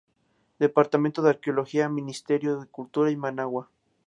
Departamento de Arqueología, Ministerio de Cultura, Managua.